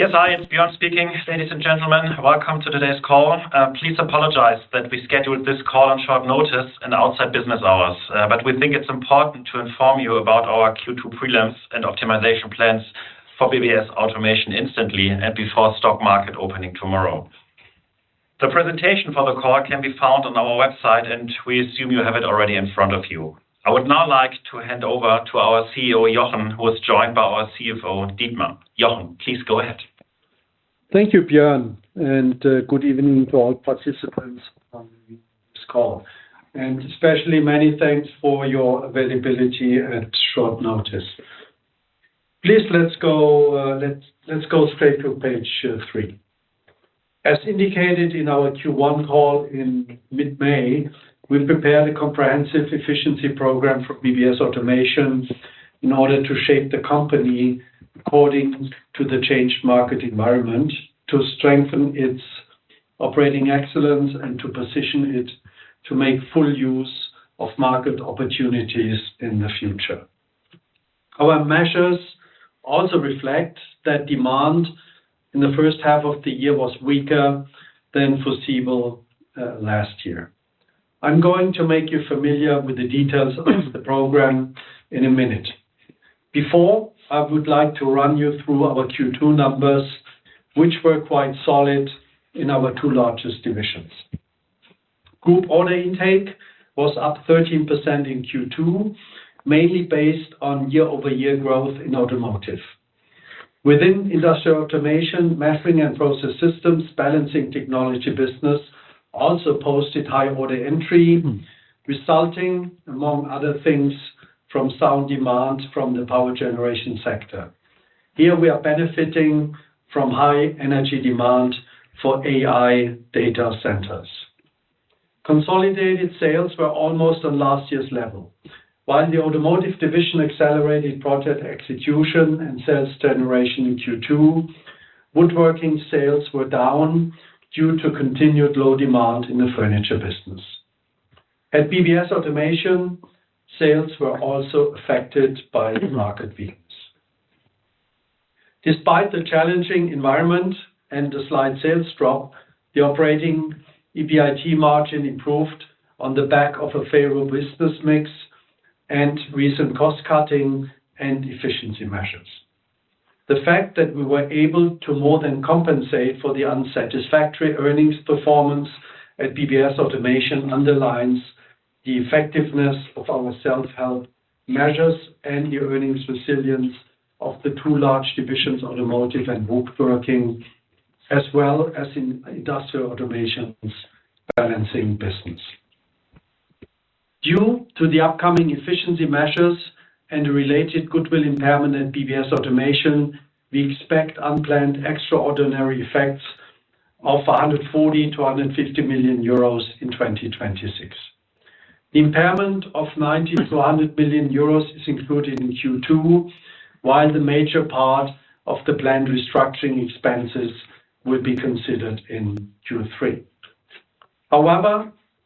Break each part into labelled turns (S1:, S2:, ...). S1: Yes, hi. Björn speaking. Ladies and gentlemen, welcome to today's call. Please apologize that we scheduled this call on short notice and outside business hours, but we think it's important to inform you about our Q2 prelims and optimization plans for BBS Automation instantly and before stock market opening tomorrow. The presentation for the call can be found on our website, and we assume you have it already in front of you. I would now like to hand over to our CEO, Jochen, who is joined by our CFO, Dietmar. Jochen, please go ahead.
S2: Thank you, Björn, and good evening to all participants on this call. Especially many thanks for your availability at short notice. Please, let's go straight to page three. As indicated in our Q1 call in mid-May, we prepared a comprehensive efficiency program for BBS Automation in order to shape the company according to the changed market environment, to strengthen its operating excellence and to position it to make full use of market opportunities in the future. Our measures also reflect that demand in the H1 of the year was weaker than foreseeable last year. I'm going to make you familiar with the details of the program in a minute. Before, I would like to run you through our Q2 numbers, which were quite solid in our two largest divisions. Group order intake was up 13% in Q2, mainly based on year-over-year growth in Automotive. Within Industrial Automation, Measuring and Process Systems balancing technology business also posted high order entry, resulting among other things from sound demands from the power generation sector. Here, we are benefiting from high energy demand for AI data centers. Consolidated sales were almost on last year's level. While the Automotive division accelerated project execution and sales generation in Q2, Woodworking sales were down due to continued low demand in the furniture business. At BBS Automation, sales were also affected by market winds. Despite the challenging environment and the slight sales drop, the operating EBIT margin improved on the back of a favorable business mix and recent cost-cutting and efficiency measures. The fact that we were able to more than compensate for the unsatisfactory earnings performance at BBS Automation underlines the effectiveness of our self-help measures and the earnings resilience of the two large divisions, Automotive and Woodworking, as well as in Industrial Automation's balancing business. Due to the upcoming efficiency measures and related goodwill impairment at BBS Automation, we expect unplanned extraordinary effects of 140 million-150 million euros in 2026. The impairment of 90 million-100 million euros is included in Q2, while the major part of the planned restructuring expenses will be considered in Q3.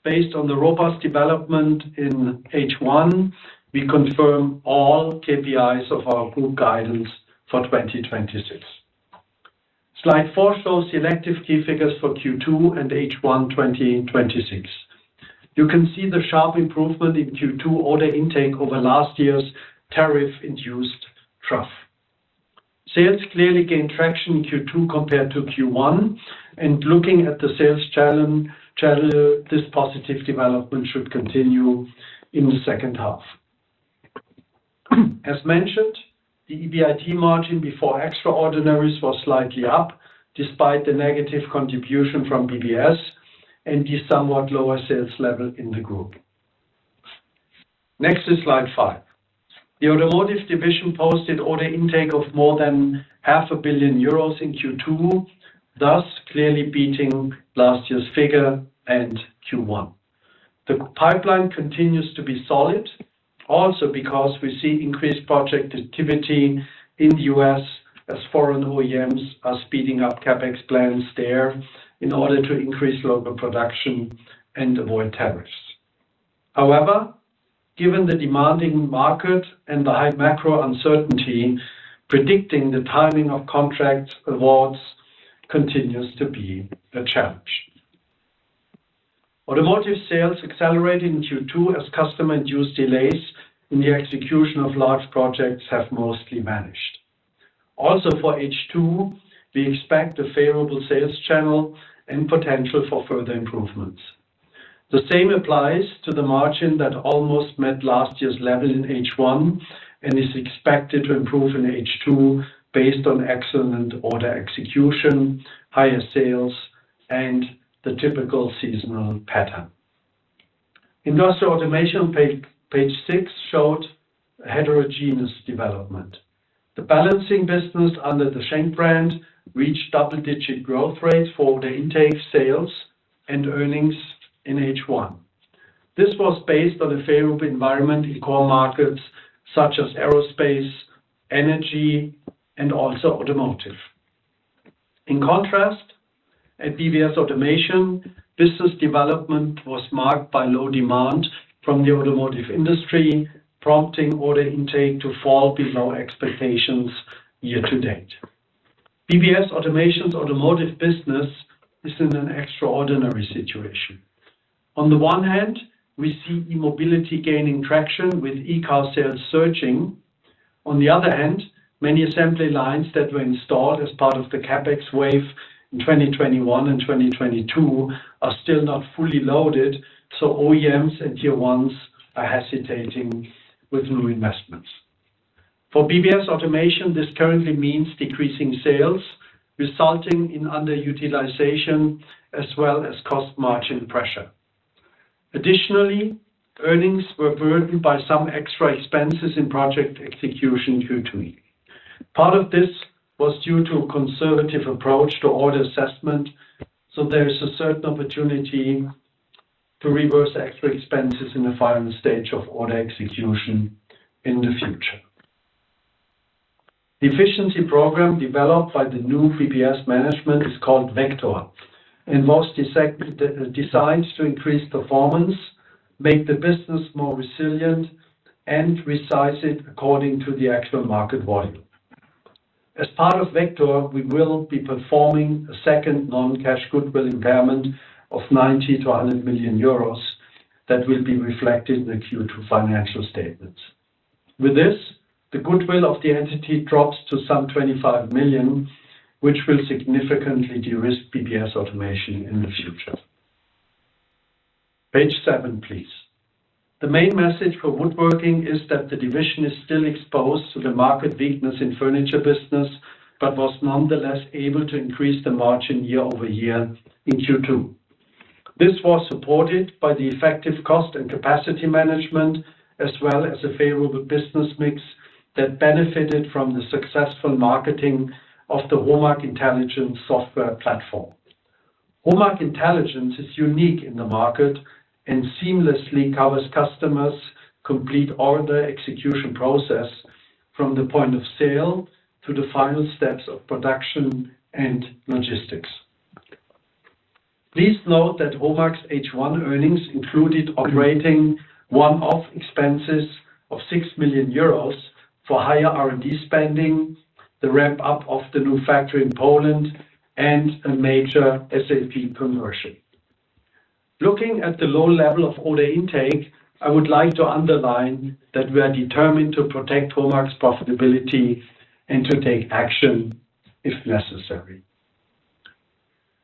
S2: Based on the robust development in H1, we confirm all KPIs of our group guidance for 2026. Slide four shows selective key figures for Q2 and H1 2026. You can see the sharp improvement in Q2 order intake over last year's tariff-induced trough. Sales clearly gained traction in Q2 compared to Q1, and looking at the sales channel, this positive development should continue in the H2. As mentioned, the EBIT margin before extraordinaries was slightly up despite the negative contribution from BBS and the somewhat lower sales level in the group. Next is slide five. The Automotive division posted order intake of more than 0.5 billion euros in Q2, thus clearly beating last year's figure and Q1. The pipeline continues to be solid, also because we see increased project activity in the U.S. as foreign OEMs are speeding up CapEx plans there in order to increase local production and avoid tariffs. However, given the demanding market and the high macro uncertainty, predicting the timing of contract awards continues to be a challenge. Automotive sales accelerated in Q2 as customer-induced delays in the execution of large projects have mostly managed. Also, for H2, we expect a favorable sales channel and potential for further improvements. The same applies to the margin that almost met last year's level in H1 and is expected to improve in H2 based on excellent order execution, higher sales, and the typical seasonal pattern. Industrial Automation, page six, showed a heterogeneous development. The balancing business under the Schenck brand reached double-digit growth rates for order intake, sales, and earnings in H1. This was based on the favorable environment in core markets such as aerospace, energy, and also automotive. In contrast, at BBS Automation, business development was marked by low demand from the automotive industry, prompting order intake to fall below expectations year to date. BBS Automation's automotive business is in an extraordinary situation. On the one hand, we see Mobility gaining traction with e-car sales surging. On the other hand, many assembly lines that were installed as part of the CapEx wave in 2021 and 2022 are still not fully loaded, so OEMs and Tier 1s are hesitating with new investments. For BBS Automation, this currently means decreasing sales, resulting in underutilization as well as cost margin pressure. Additionally, earnings were burdened by some extra expenses in project execution Q2. Part of this was due to a conservative approach to order assessment, so there is a certain opportunity to reverse extra expenses in the final stage of order execution in the future. The efficiency program developed by the new BBS management is called Vector and was designed to increase performance, make the business more resilient, and resize it according to the actual market volume. As part of Vector, we will be performing a second non-cash goodwill impairment of 90 million-100 million euros that will be reflected in the Q2 financial statements. With this, the goodwill of the entity drops to some 25 million, which will significantly de-risk BBS Automation in the future. Page seven, please. The main message for Woodworking is that the division is still exposed to the market weakness in furniture business, but was nonetheless able to increase the margin year-over-year in Q2. This was supported by the effective cost and capacity management, as well as a favorable business mix that benefited from the successful marketing of the HOMAG INTELLIGENCE software platform. HOMAG INTELLIGENCE is unique in the market and seamlessly covers customers' complete order execution process from the point of sale to the final steps of production and logistics. Please note that HOMAG's H1 earnings included operating one-off expenses of 6 million euros for higher R&D spending, the ramp-up of the new factory in Poland, and a major SAP conversion. Looking at the low level of order intake, I would like to underline that we are determined to protect HOMAG's profitability and to take action if necessary.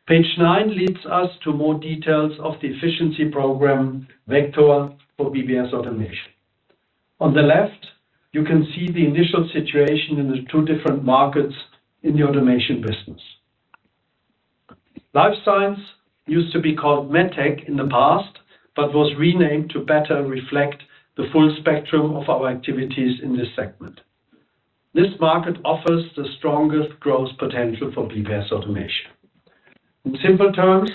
S2: Page nine leads us to more details of the efficiency program, Vector, for BBS Automation. On the left, you can see the initial situation in the two different markets in the automation business. Life Science used to be called Medtech in the past, but was renamed to better reflect the full spectrum of our activities in this segment. This market offers the strongest growth potential for BBS Automation. In simple terms,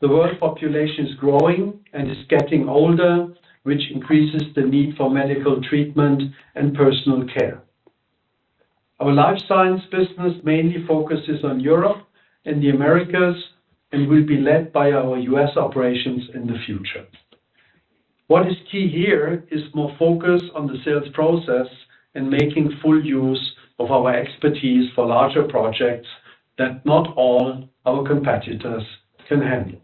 S2: the world population is growing and is getting older, which increases the need for medical treatment and personal care. Our Life Science business mainly focuses on Europe and the Americas and will be led by our U.S. operations in the future. What is key here is more focus on the sales process and making full use of our expertise for larger projects that not all our competitors can handle.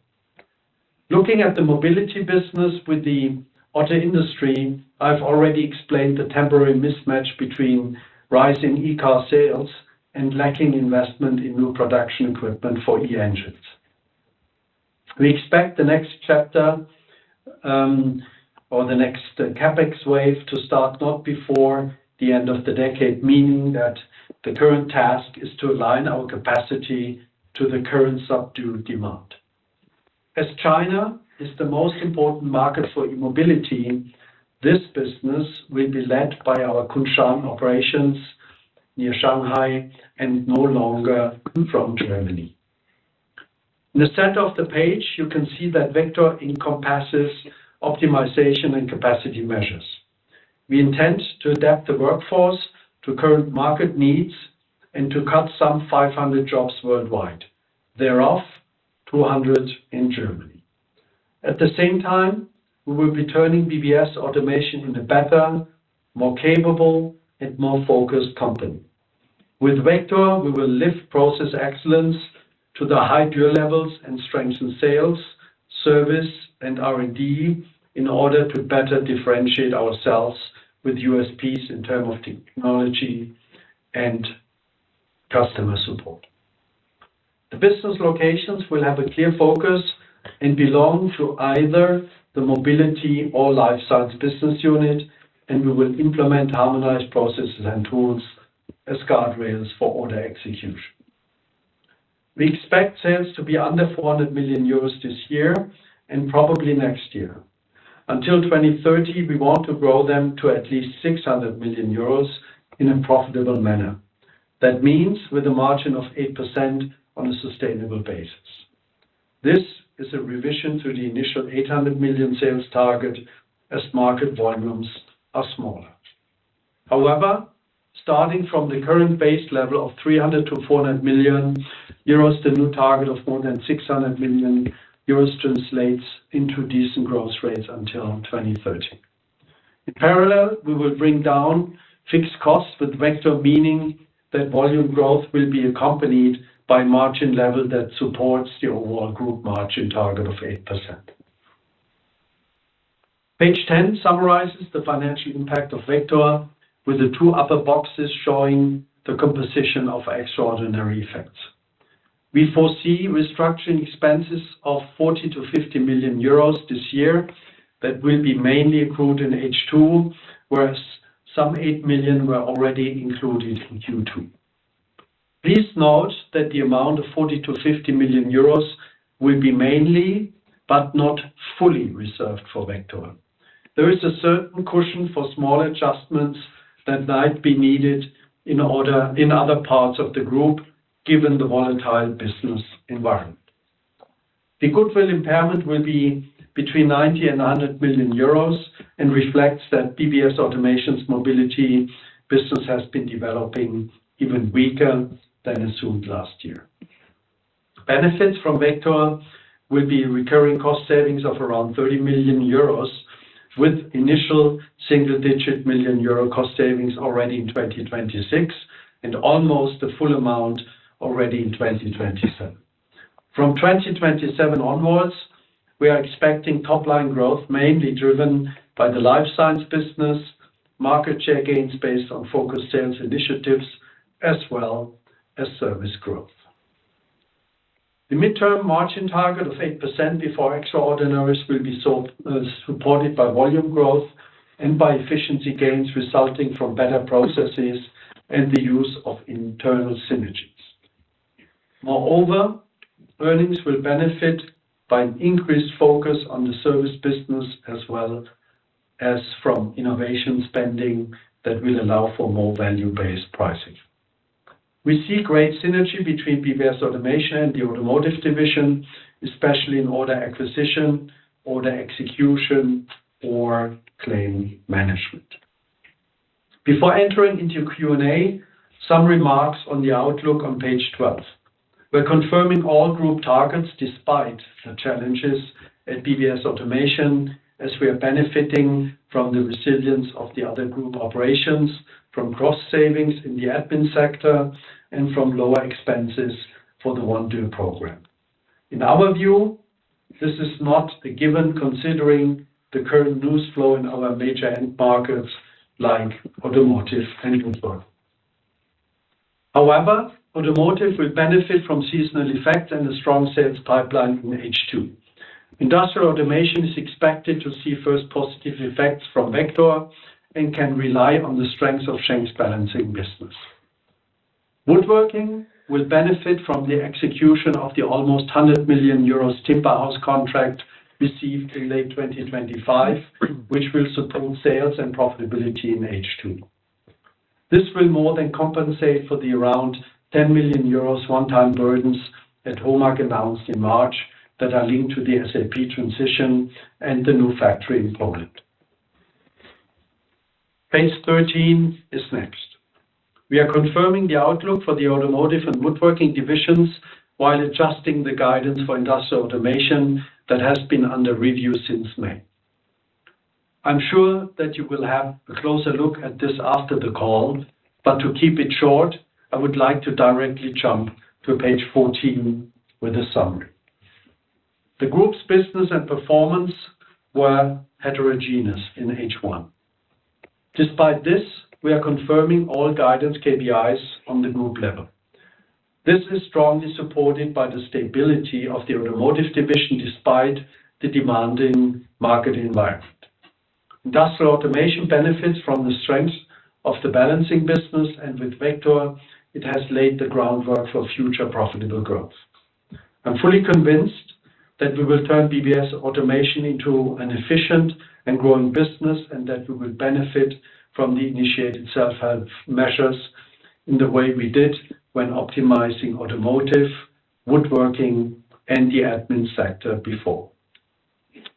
S2: Looking at the mobility business with the auto industry, I've already explained the temporary mismatch between rising e-car sales and lacking investment in new production equipment for e-engines. We expect the next chapter, or the next CapEx wave, to start not before the end of the decade, meaning that the current task is to align our capacity to the current subdued demand. As China is the most important market for e-mobility, this business will be led by our Kunshan operations near Shanghai and no longer from Germany. In the center of the page, you can see that Vector encompasses optimization and capacity measures. We intend to adapt the workforce to current market needs and to cut some 500 jobs worldwide. Thereof, 200 in Germany. At the same time, we will be turning BBS Automation into better, more capable, and more focused company. With Vector, we will lift process excellence to the high Dürr levels and strengthen sales, service, and R&D in order to better differentiate ourselves with USPs in term of technology and customer support. The business locations will have a clear focus and belong to either the Mobility or Life Science business unit, and we will implement harmonized processes and tools as guardrails for order execution. We expect sales to be under 400 million euros this year and probably next year. Until 2030, we want to grow them to at least 600 million euros in a profitable manner. That means with a margin of 8% on a sustainable basis. This is a revision to the initial 800 million sales target as market volumes are smaller. However, starting from the current base level of 300 million-400 million euros, the new target of more than 600 million euros translates into decent growth rates until 2030. In parallel, we will bring down fixed costs with Vector, meaning that volume growth will be accompanied by a margin level that supports the overall group margin target of 8%. Page 10 summarizes the financial impact of Vector, with the two upper boxes showing the composition of extraordinary effects. We foresee restructuring expenses of 40 million-50 million euros this year that will be mainly accrued in H2, whereas some 8 million were already included in Q2. Please note that the amount of 40 million-50 million euros will be mainly, but not fully, reserved for Vector. There is a certain cushion for small adjustments that might be needed in other parts of the group, given the volatile business environment. The goodwill impairment will be between 90 million and 100 million euros and reflects that BBS Automation's Mobility business has been developing even weaker than assumed last year. Benefits from Vector will be recurring cost savings of around 30 million euros, with initial single-digit million EUR cost savings already in 2026 and almost the full amount already in 2027. From 2027 onwards, we are expecting top-line growth mainly driven by the Life Science business, market share gains based on focused sales initiatives, as well as service growth. The midterm margin target of 8% before extraordinaries will be supported by volume growth and by efficiency gains resulting from better processes and the use of internal synergies. Moreover, earnings will benefit by an increased focus on the service business, as well as from innovation spending that will allow for more value-based pricing. We see great synergy between BBS Automation and the Automotive division, especially in order acquisition, order execution, or claim management. Before entering into Q&A, some remarks on the outlook on page 12. We're confirming all group targets despite the challenges at BBS Automation, as we are benefiting from the resilience of the other group operations, from cost savings in the admin sector, and from lower expenses for the OneDürrGroup program. In our view, this is not a given considering the current news flow in our major end markets like Automotive and Woodworking. Automotive will benefit from seasonal effects and a strong sales pipeline in H2. Industrial Automation is expected to see the first positive effects from Vector and can rely on the strength of Schenck's balancing business. Woodworking will benefit from the execution of the almost 100 million euro timber house contract received in late 2025, which will support sales and profitability in H2. This will more than compensate for the around 10 million euros one-time burdens that HOMAG announced in March that are linked to the SAP transition and the new factory in Poland. Page 13 is next. We are confirming the outlook for the Automotive and Woodworking divisions while adjusting the guidance for Industrial Automation that has been under review since May. I'm sure that you will have a closer look at this after the call, but to keep it short, I would like to directly jump to page 14 with a summary. The group's business and performance were heterogeneous in H1. Despite this, we are confirming all guidance KPIs on the group level. This is strongly supported by the stability of the Automotive division despite the demanding market environment. Industrial Automation benefits from the strength of the balancing business, and with Vector, it has laid the groundwork for future profitable growth. I'm fully convinced that we will turn BBS Automation into an efficient and growing business and that we will benefit from the initiated self-help measures in the way we did when optimizing Automotive, Woodworking, and the admin sector before.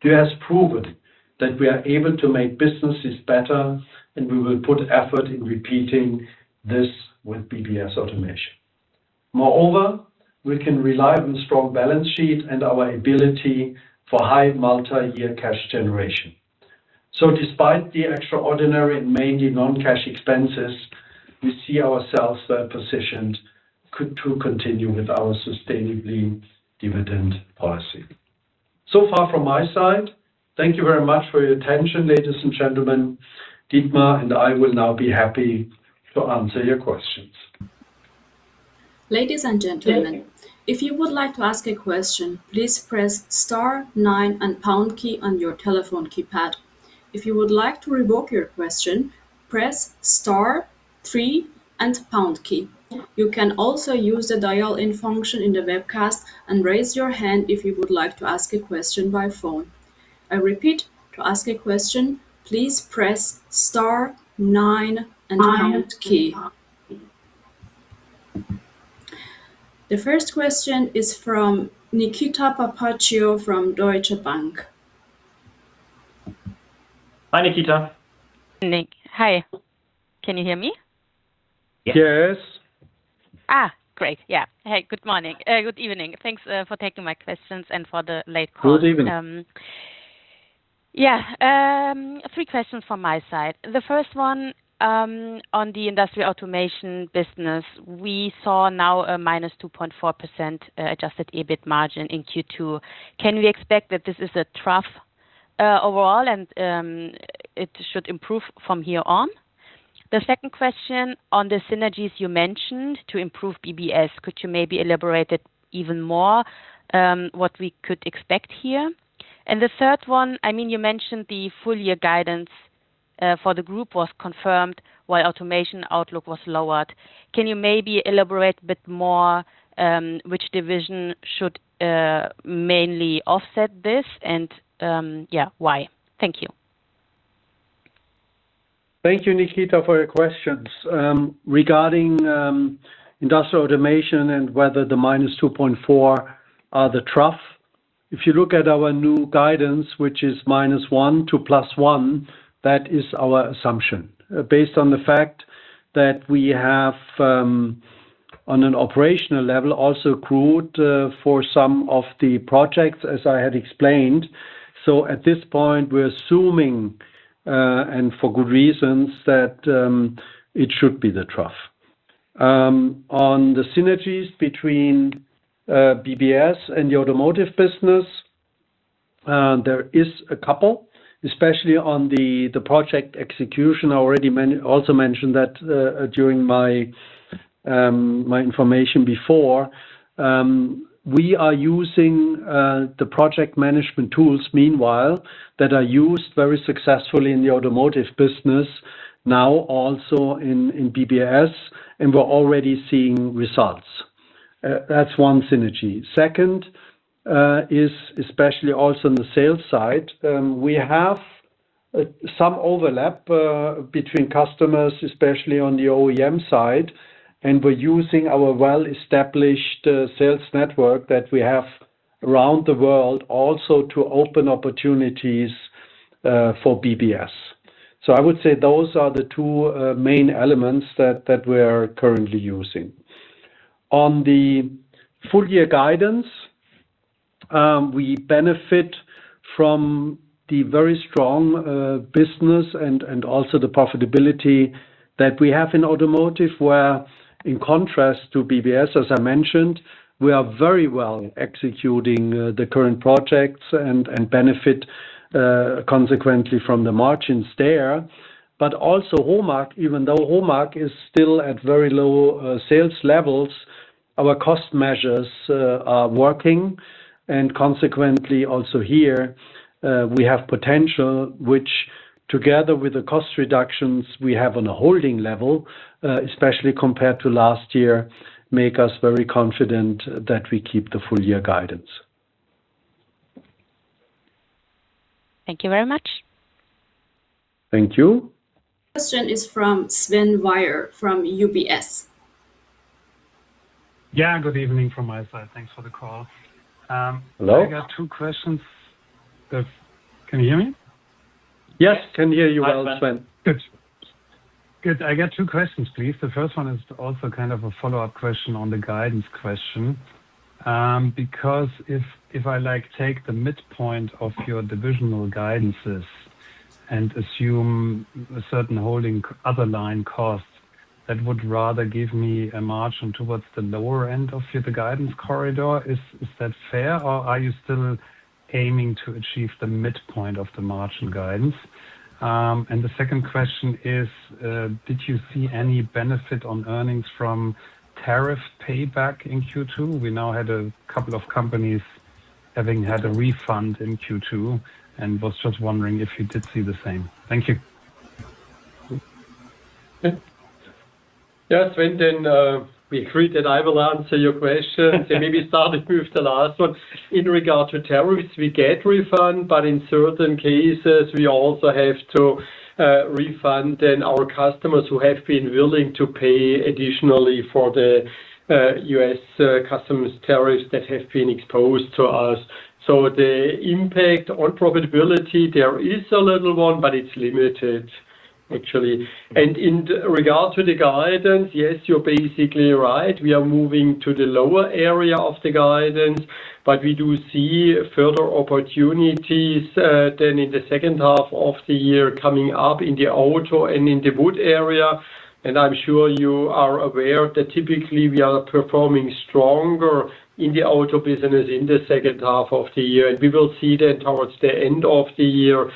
S2: Dürr has proven that we are able to make businesses better, and we will put effort into repeating this with BBS Automation. Moreover, we can rely on a strong balance sheet and our ability for high multi-year cash generation. Despite the extraordinary and mainly non-cash expenses, we see ourselves well-positioned to continue with our sustainable dividend policy. Far from my side, thank you very much for your attention, ladies and gentlemen. Dietmar and I will now be happy to answer your questions.
S3: Ladies and gentlemen, if you would like to ask a question, please press star nine and pound key on your telephone keypad. If you would like to revoke your question, press star three and pound key. You can also use the dial-in function in the webcast and raise your hand if you would like to ask a question by phone. I repeat, to ask a question, please press star nine and pound key. The first question is from Nikita Papaccio from Deutsche Bank.
S2: Hi, Nikita.
S4: Hi. Can you hear me?
S2: Yes.
S4: Great. Yeah. Hey, good evening. Thanks for taking my questions and for the late call.
S2: Good evening.
S4: Yeah. Three questions from my side. The first one on the Industrial Automation business. We saw now a minus 2.4% adjusted EBIT margin in Q2. Can we expect that this is a trough overall, and it should improve from here on? The second question on the synergies you mentioned to improve BBS, could you maybe elaborate it even more, what we could expect here? The third one, you mentioned the full-year guidance for the group was confirmed while Automation outlook was lowered. Can you maybe elaborate a bit more which division should mainly offset this, and why? Thank you.
S2: Thank you, Nikita, for your questions. Regarding Industrial Automation and whether the minus 2.4% are the trough. If you look at our new guidance, which is minus 1% to plus 1%, that is our assumption based on the fact that we have, on an operational level, also accrued for some of the projects as I had explained. At this point, we're assuming, and for good reasons, that it should be the trough. On the synergies between BBS and the Automotive business, there is a couple, especially on the project execution. I already also mentioned that during my information before. We are using the project management tools, meanwhile, that are used very successfully in the Automotive business now also in BBS, and we're already seeing results. That's one synergy. Second, is especially also on the sales side. We have some overlap between customers, especially on the OEM side, and we're using our well-established sales network that we have around the world also to open opportunities for BBS. I would say those are the two main elements that we are currently using. On the full-year guidance, we benefit from the very strong business and also the profitability that we have in Automotive, where, in contrast to BBS, as I mentioned, we are very well executing the current projects and benefit consequently from the margins there. Also HOMAG, even though HOMAG is still at very low sales levels, our cost measures are working and consequently also here, we have potential, which together with the cost reductions we have on a holding level, especially compared to last year, make us very confident that we keep the full-year guidance.
S4: Thank you very much.
S2: Thank you.
S3: Question is from Sven Weyer from UBS.
S5: Yeah. Good evening from my side. Thanks for the call.
S2: Hello?
S5: I got two questions. Can you hear me?
S2: Yes, can hear you well, Sven.
S5: Good. I got two questions, please. The first one is also kind of a follow-up question on the guidance question. If I take the midpoint of your divisional guidances and assume a certain holding other line costs, that would rather give me a margin towards the lower end of the guidance corridor. Is that fair, or are you still aiming to achieve the midpoint of the margin guidance? The second question is, did you see any benefit on earnings from tariff payback in Q2? We now had a couple of companies having had a refund in Q2 and was just wondering if you did see the same. Thank you.
S6: Yes. Sven, we agreed that I will answer your questions and maybe start with the last one. In regard to tariffs, we get refund, but in certain cases, we also have to refund our customers who have been willing to pay additionally for the U.S. customs tariffs that have been exposed to us. The impact on profitability, there is a little one, but it's limited, actually. In regard to the guidance, yes, you're basically right. We are moving to the lower area of the guidance, but we do see further opportunities, in the H2 of the year, coming up in the Automotive and in the Woodworking area. I'm sure you are aware that typically we are performing stronger in the Automotive business in the H2 of the year. We will see that towards the end of the year.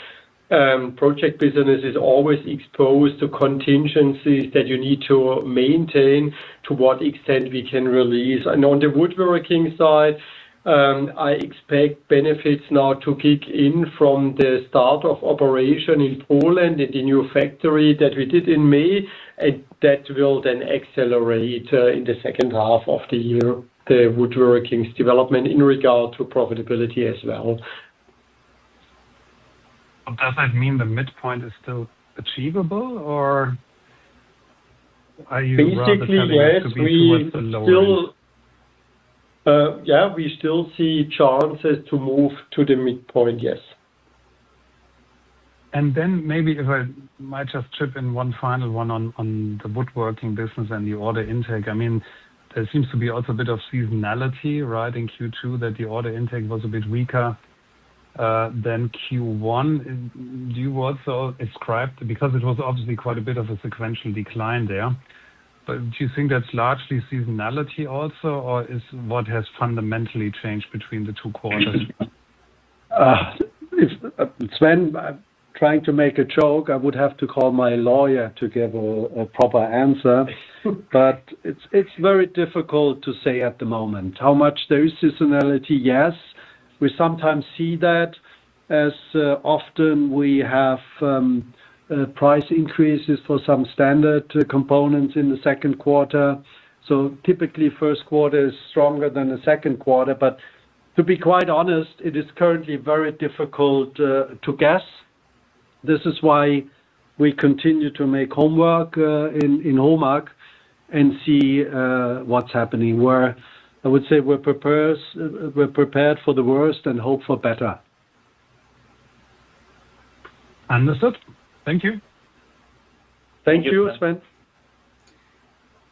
S6: Project business is always exposed to contingencies that you need to maintain to what extent we can release. On the Woodworking side, I expect benefits now to kick in from the start of operation in Poland at the new factory that we did in May, and that will then accelerate in the H2 of the year, the Woodworking's development in regard to profitability as well.
S5: Does that mean the midpoint is still achievable, or are you rather telling it to be towards the lower end?
S6: Basically, yes. We still see chances to move to the midpoint, yes.
S5: Maybe if I might just chip in one final one on the Woodworking business and the order intake. There seems to be also a bit of seasonality in Q2, that the order intake was a bit weaker than Q1. Do you also ascribe Because it was obviously quite a bit of a sequential decline there. Do you think that's largely seasonality also, or it's what has fundamentally changed between the two quarters?
S2: Sven, trying to make a joke, I would have to call my lawyer to give a proper answer. It's very difficult to say at the moment. How much there is seasonality? Yes. We sometimes see that as often we have price increases for some standard components in the Q2. Typically, Q1 is stronger than the Q2. To be quite honest, it is currently very difficult to guess. This is why we continue to make homework in HOMAG and see what's happening, where I would say we're prepared for the worst and hope for better.
S5: Understood. Thank you.
S2: Thank you, Sven.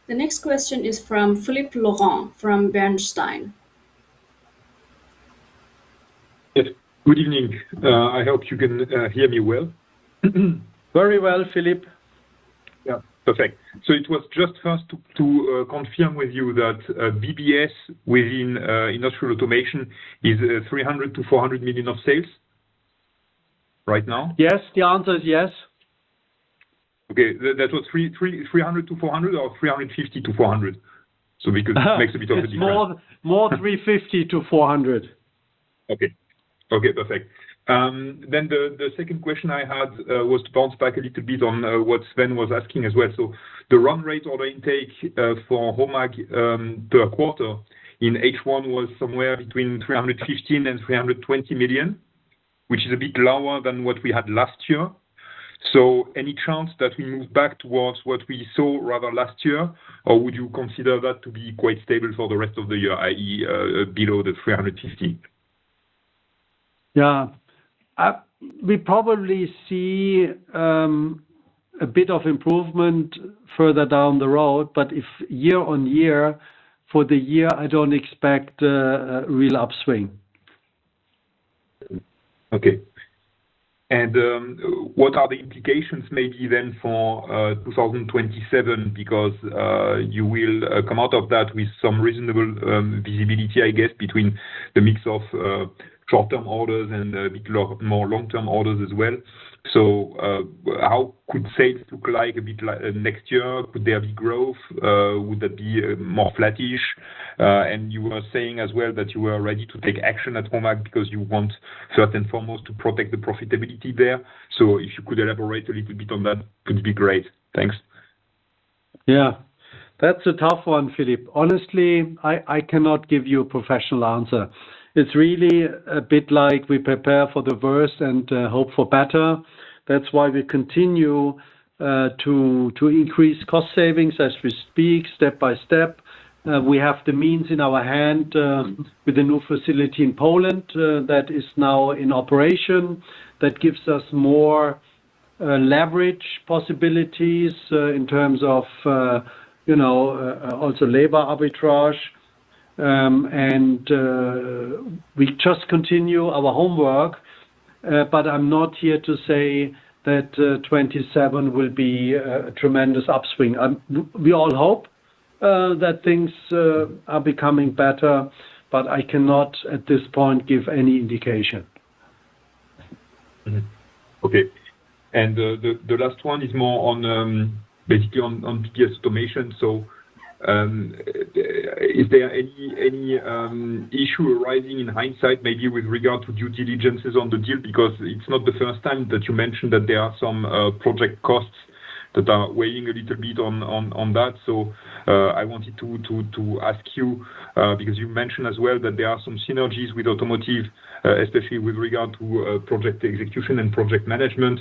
S3: The next question is from Philippe Lorrain, from Bernstein.
S7: Yes. Good evening. I hope you can hear me well.
S2: Very well, Philippe.
S7: Yeah. Perfect. It was just first to confirm with you that BBS within Industrial Automation is 300 million-400 million of sales right now?
S2: Yes. The answer is yes.
S7: Okay. That was 300-400 or 350-400? We could make a bit of a difference.
S2: It's more 350-400.
S7: Okay. Perfect. The second question I had was to bounce back a little bit on what Sven was asking as well. The run rate order intake for HOMAG per quarter in H1 was somewhere between 315 million and 320 million, which is a bit lower than what we had last year. Any chance that we move back towards what we saw rather last year? Or would you consider that to be quite stable for the rest of the year, i.e., below 315?
S2: Yeah. We probably see a bit of improvement further down the road, but if year-on-year, for the year, I don't expect a real upswing.
S7: Okay. What are the implications maybe then for 2027? Because you will come out of that with some reasonable visibility, I guess, between the mix of short-term orders and a bit more long-term orders as well. How could sales look like a bit like next year? Could there be growth? Would that be more flattish? You were saying as well that you were ready to take action at HOMAG because you want first and foremost to protect the profitability there. If you could elaborate a little bit on that, could be great. Thanks.
S2: Yeah. That's a tough one, Philippe. Honestly, I cannot give you a professional answer. It's really a bit like we prepare for the worst and hope for better. That's why we continue to increase cost savings as we speak, step by step. We have the means in our hand with the new facility in Poland that is now in operation, that gives us more leverage possibilities in terms of also labor arbitrage. We just continue our homework. I'm not here to say that 2027 will be a tremendous upswing. We all hope that things are becoming better, I cannot, at this point, give any indication.
S7: Okay. The last one is more on basically on BBS Automation. Is there any issue arising in hindsight, maybe with regard to due diligences on the deal? Because it's not the first time that you mentioned that there are some project costs that are weighing a little bit on that. So I wanted to ask you, because you mentioned as well that there are some synergies with Automotive, especially with regard to project execution and project management,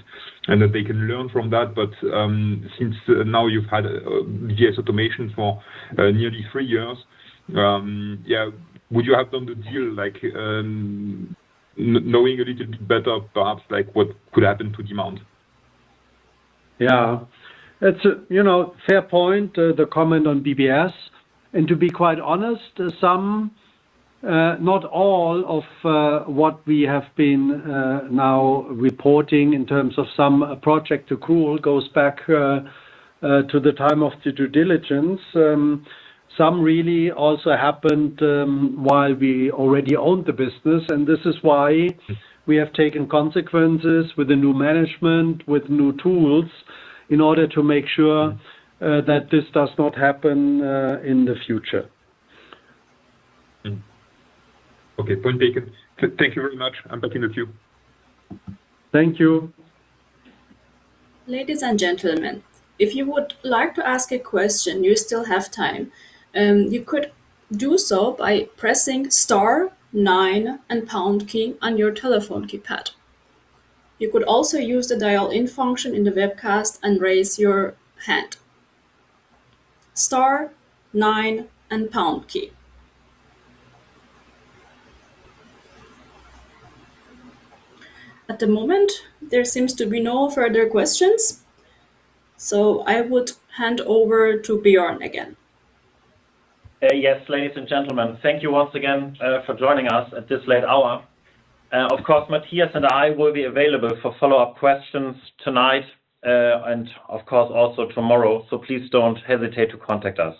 S7: and that they can learn from that. Since now you've had BBS Automation for nearly three years, would you have done the deal knowing a little bit better, perhaps, what could happen to demand?
S2: Yeah. It's a fair point, the comment on BBS. To be quite honest, some, not all of what we have been now reporting in terms of some project accrual goes back to the time of the due diligence. Some really also happened while we already owned the business, and this is why we have taken consequences with the new management, with new tools in order to make sure that this does not happen in the future.
S7: Okay. Point taken. Thank you very much. I'm back in the queue.
S2: Thank you.
S3: Ladies and gentlemen, if you would like to ask a question, you still have time. You could do so by pressing star, nine, and pound key on your telephone keypad. You could also use the dial-in function in the webcast and raise your hand. Star, nine, and pound key. At the moment, there seems to be no further questions, so I would hand over to Björn again.
S1: Yes, ladies and gentlemen, thank you once again for joining us at this late hour. Of course, Mathias and I will be available for follow-up questions tonight and of course, also tomorrow. Please don't hesitate to contact us.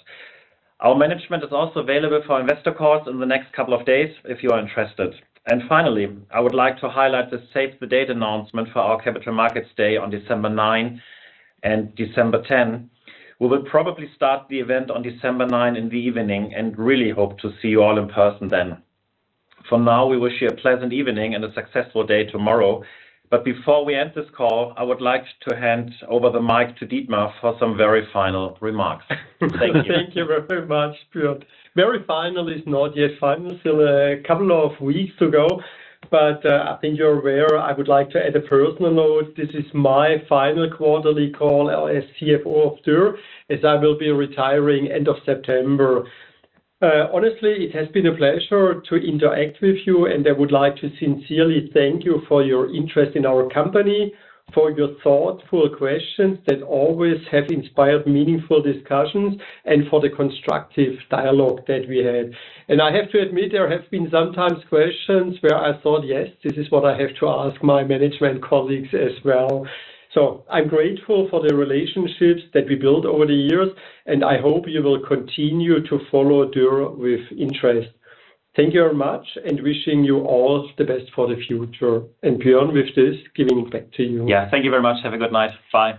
S1: Our management is also available for investor calls in the next couple of days if you are interested. Finally, I would like to highlight the save the date announcement for our Capital Markets Day on December 9th and December 10th. We will probably start the event on December 9th in the evening and really hope to see you all in person then. For now, we wish you a pleasant evening and a successful day tomorrow. Before we end this call, I would like to hand over the mic to Dietmar for some very final remarks. Thank you.
S6: Thank you very much, Björn. Very final is not yet final, still a couple of weeks to go. I think you're aware, I would like to add a personal note. This is my final quarterly call as CFO of Dürr, as I will be retiring end of September. Honestly, it has been a pleasure to interact with you. I would like to sincerely thank you for your interest in our company, for your thoughtful questions that always have inspired meaningful discussions, and for the constructive dialogue that we had. I have to admit, there have been some times questions where I thought, "Yes, this is what I have to ask my management colleagues as well." I'm grateful for the relationships that we built over the years. I hope you will continue to follow Dürr with interest. Thank you very much. Wishing you all the best for the future. Björn, with this, giving it back to you.
S1: Yeah, thank you very much. Have a good night. Bye.